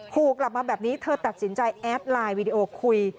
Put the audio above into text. ขู่กลับมาแบบนี้เธอตัดสินใจแอดไลน์วีดีโอคุย